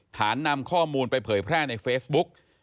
นำข้อมูลไปเผยแพร่ในเฟซบุ๊ก